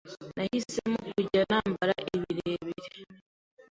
Nahisemo kujya nambara ibirebire